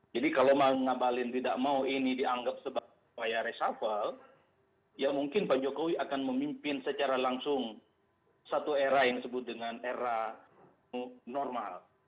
jadi kalau moeng abalin tidak mau ini dianggap sebagai upaya resafal ya mungkin pak jokowi akan memimpin secara langsung satu era yang disebut dengan era normal